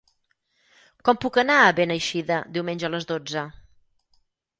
Com puc anar a Beneixida diumenge a les dotze?